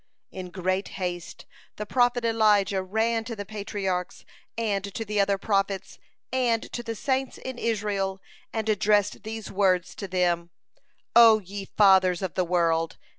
In great haste the prophet Elijah ran to the Patriarchs and to the other prophets, and to the saints in Israel, and addressed these words to them: "O ye fathers of the world!